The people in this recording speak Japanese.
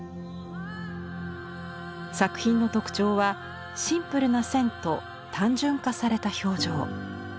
作品の特徴はシンプルな線と単純化された表情。